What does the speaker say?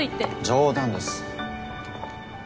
冗談です。